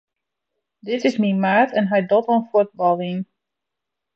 Dit is myn maat en hy docht oan fuotbaljen.